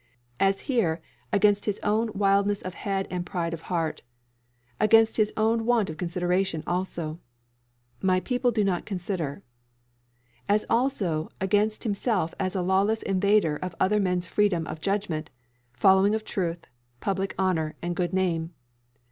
As here, against his own wildness of head and pride of heart. Against his own want of consideration also. "My people do not consider." As also against himself as a lawless invader of other men's freedom of judgment, following of truth, public honour, and good name.